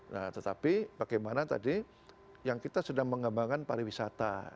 nah tetapi bagaimana tadi yang kita sedang mengembangkan pariwisata